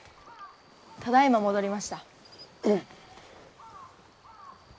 ただいま戻りました。